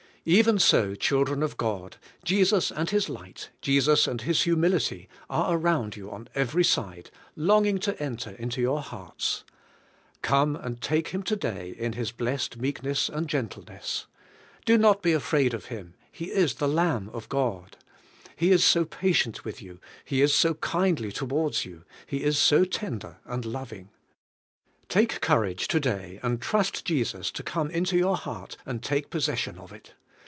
Even so, children of God, Jesus and His light, Jesus and His humilit}^ are around you on every side, longing to enter into your hearts. Come and take Him to day in His blessed meekness and gentleness. Do not be afraid of Ilim; He is m CHRIS rS HUMILITY O UR SAL VA TION the Lamb of God. He is so patient with y ou, He is so kindly towards you, He is so lender and loving. Take courage to day and trust Jesus to come into your heart and take possession of it.